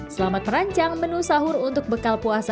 selamat merancang menu sahur untuk bekas